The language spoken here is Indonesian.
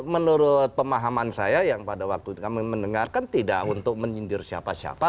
menurut pemahaman saya yang pada waktu itu kami mendengarkan tidak untuk menyindir siapa siapa